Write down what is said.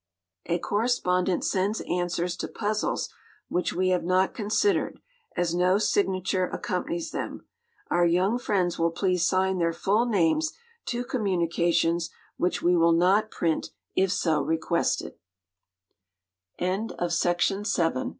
A correspondent sends answers to puzzles which we have not considered, as no signature accompanies them. Our young friends will please sign their full names to communications, which we will not pri